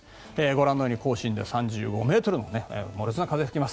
ご覧のように関東・甲信で３５ｍの猛烈な風が吹きます。